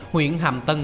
huyện hàm tân